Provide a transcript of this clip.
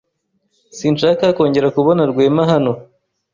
Sinshaka kongera kubona Rwema hano.